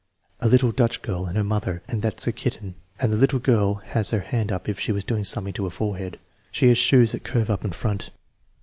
"A little Dutch girl and her mother and that's a kitten, and the little girl has her hand up as if she was doing something to her forehead. She has shoes that curve up in front."